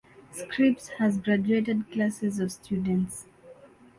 Scripps has graduated classes of students.